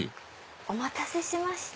お待たせしました。